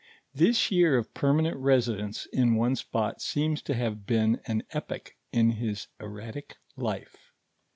This year of permanent resi dence in one spot seems to have been an epoch in his erratic life.